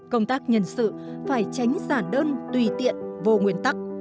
công tác nhân sự phải tránh giả đơn tùy tiện vô nguyên tắc